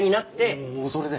おうそれで？